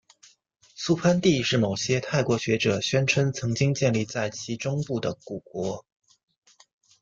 素攀地是某些泰国学者宣称曾经建立在其中部的古国。